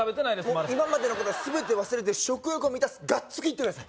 まだ今までのことは全て忘れて食欲を満たすがっつきいってください